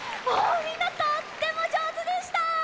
みんなとってもじょうずでした！